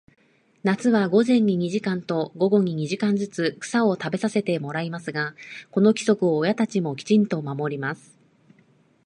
夏は午前に二時間と、午後に二時間ずつ、草を食べさせてもらいますが、この規則を親たちもきちんと守ります。